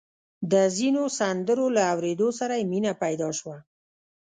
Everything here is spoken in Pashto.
د ځينو سندرو له اورېدو سره يې مينه پيدا شوه.